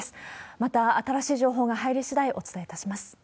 また新しい情報が入りしだい、お伝えいたします。